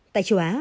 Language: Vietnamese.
tại châu á